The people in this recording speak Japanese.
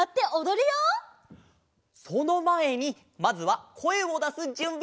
そのまえにまずはこえをだすじゅんび！